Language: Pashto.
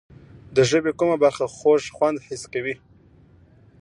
د ژبې کومه برخه خوږ خوند حس کوي؟